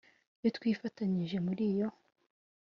iyo twifatanyije muri iyo